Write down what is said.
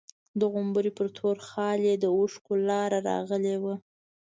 د غومبري په تور خال يې د اوښکو لاره راغلې وه.